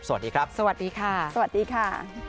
สวัสดีครับสวัสดีค่ะสวัสดีค่ะ